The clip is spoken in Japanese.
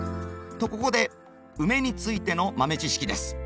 とここでウメについての豆知識です。